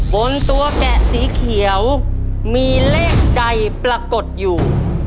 บนตัวแกะสีเขียวมีเลขใดปรากฏอยู่